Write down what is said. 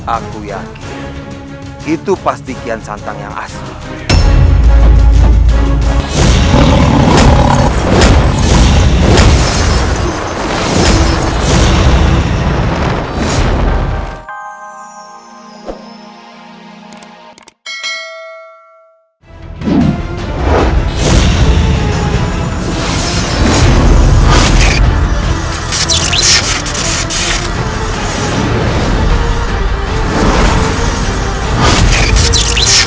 aku yakin itu pastikian santan yang asli